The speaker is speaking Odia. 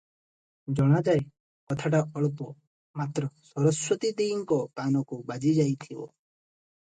ଜଣାଯାଏ କଥାଟା ଅଳ୍ପ; ମାତ୍ର ସରସ୍ଵତୀ ଦେଈଙ୍କ କାନକୁ ବାଜି ଯାଇଥିବ ।